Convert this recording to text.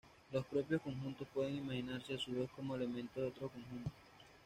Los propios conjuntos pueden imaginarse a su vez como elementos de otros conjuntos.